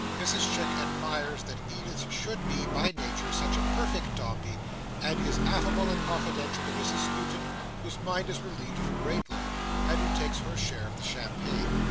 Mrs Chick admires that Edith should be, by nature, such a perfect Dombey; and is affable and confidential to Mrs Skewton, whose mind is relieved of a great load, and who takes her share of the champagne.